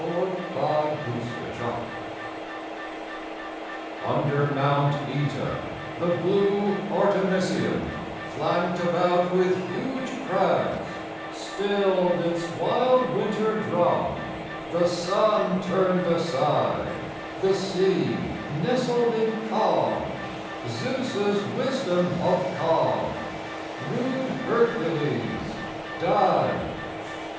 THE WAR HERCULES. Under Mount [OE]ta The blue Artemisium, Flanked about with huge crags, Stilled its wild winter drum, The sun turned aside, The sea nestled in calm, Zeus's wisdom of calm, Rude Hercules died!